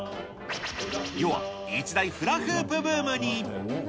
世は一大フラフープブームに。